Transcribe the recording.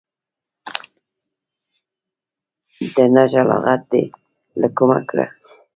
د نږه لغت دي له کومه کړ.